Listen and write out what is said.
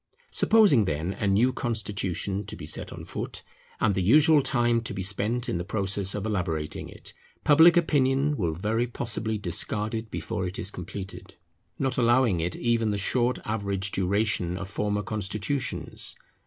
Supposing then a new constitution to be set on foot, and the usual time to be spent in the process of elaborating it, public opinion will very possibly discard it before it is completed; not allowing it even the short average duration of former constitutions.